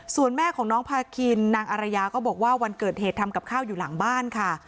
ส่วนแม่ของน้องพาคินนางอารยาก็บอกว่าวันเกิดเหตุทำกับข้าวอยู่หลังบ้านค่ะ